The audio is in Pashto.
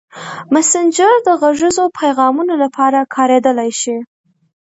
مسېنجر د غږیزو پیغامونو لپاره کارېدلی شي.